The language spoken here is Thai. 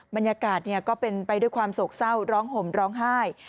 บรรยากาศก็เป็นไปด้วยความโศกเศร้าร้องห่มร้องไห้